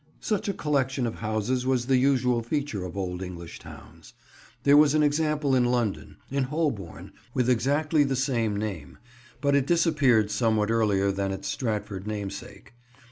Such a collection of houses was the usual feature of old English towns. There was an example in London, in Holborn, with exactly the same name; but it disappeared somewhat earlier than its Stratford namesake.